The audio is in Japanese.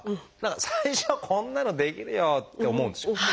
最初はこんなのできるよって思うんですよ。